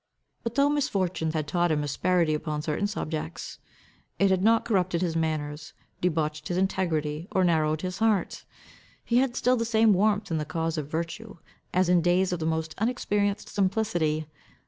But though misfortune had taught him asperity upon certain subjects, it had not corrupted his manners, debauched his integrity, or narrowed his heart. He had still the same warmth in the cause of virtue, as in days of the most unexperienced simplicity.